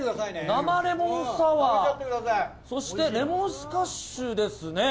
生レモンサワー、そしてレモンスカッシュですね。